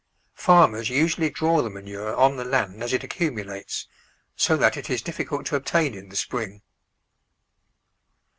Farmers usually draw the manure on the land as it accumulates, so that it is difficult to obtain in the spring.